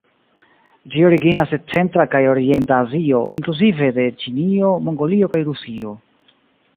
Ĝi originas de centra kaj orienta Azio, inkluzive de Ĉinio, Mongolio kaj Rusio.